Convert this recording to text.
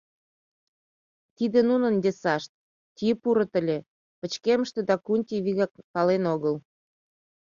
Тиде нунын дессашт, Тьи-Пурут ыле, пычкемыште Дакунти вигак пален огыл.